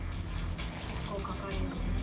結構かかるよね。